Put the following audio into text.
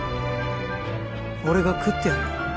俺が喰ってやるよ